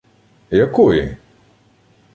— Якої?